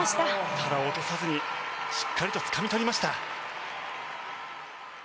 ただ、落とさずにしっかりとつかみ取りました。